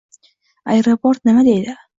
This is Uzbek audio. Aeroport nima deydi?